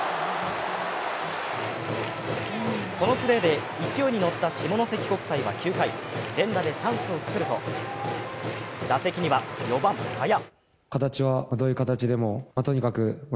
このプレーで勢いに乗った下関国際は９回、連打でチャンスをつくると打席には４番・賀谷。